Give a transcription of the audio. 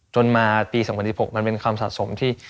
จนมาปี๒๐๑๖มันเป็นความสะสมที่